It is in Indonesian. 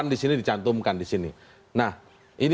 terima kasih pak edy